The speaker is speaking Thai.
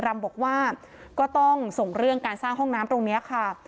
รำบอกว่าก็ต้องส่งเรื่องการสร้างห้องน้ำตรงนี้ค่ะ